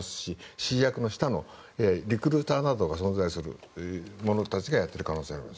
指示役の下のリクルーターなどが存在してそういう者がやっている可能性があります。